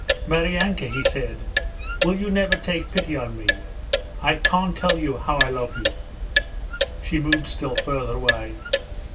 'Maryanka!' he said. 'Will you never take pity on me? I can't tell you how I love you.' She moved still farther away.